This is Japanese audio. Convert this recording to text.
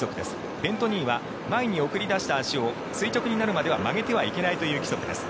ベントニーは前に送り出した足を垂直になるまで曲げてはいけないという規則です。